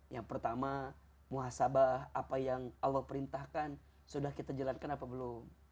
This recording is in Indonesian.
yang pertama muhasabah apa yang allah perintahkan sudah kita jalankan apa belum